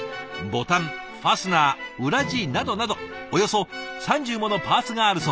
ボタンファスナー裏地などなどおよそ３０ものパーツがあるそうです。